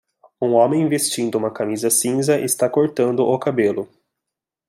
Um homem vestindo uma camisa cinza está cortando o cabelo.